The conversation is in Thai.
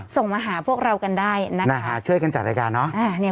ส่งมาหาพวกเรากันได้นะคะช่วยกันจัดรายการเนอะ